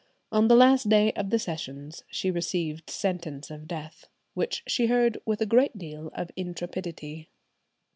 On the last day of the Sessions she received sentence of death, "which she heard with a great deal of intrepidity."